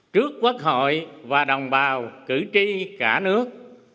trước quốc hội và đồng bào cử tri cả nước